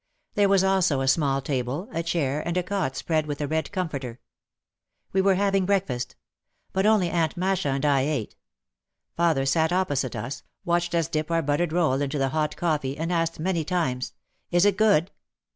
There was also a small table, a chair and a cot spread with a red comforter. We were having breakfast. But only Aunt Masha and I ate. Father sat opposite us, watched us dip our buttered roll into the hot coffee and asked many times, "Is it good?"